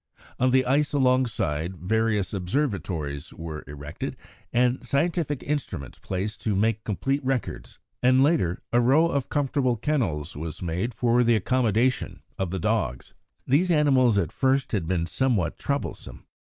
On the ice alongside various observatories were erected and scientific instruments placed to make complete records, and later, a row of comfortable kennels was made for the accommodation of the dogs. These animals at first had been somewhat troublesome.